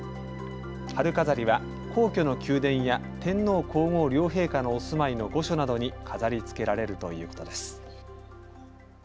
春飾りは皇居の宮殿や天皇皇后両陛下のお住まいの御所などに飾りつけられるということです。